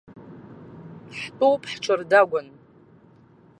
Ҳтәоуп ҳҽырдагәан.